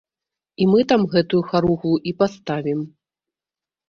І мы там гэтую харугву і паставім.